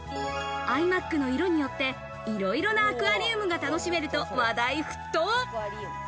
ｉＭａｃの色によって、いろいろなアクアリウムが楽しめると話題沸騰。